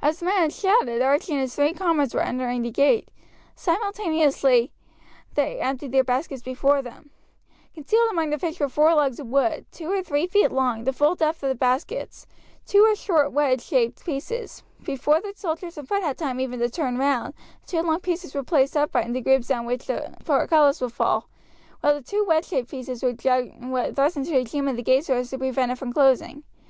As the man had shouted, Archie and his three comrades were entering the gate. Simultaneously they emptied their baskets before them. Concealed among the fish were four logs of wood; two were three feet long, the full depth of the baskets, two were short wedge shaped pieces. Before the soldiers in front had time even to turn round, the two long pieces were placed upright in the grooves down which the portcullis would fall, while the two wedge shaped pieces were thrust into the jamb of the gate so as to prevent it from closing.